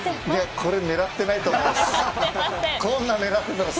これは狙ってないと思います。